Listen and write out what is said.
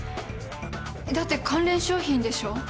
だって関連商品でしょう。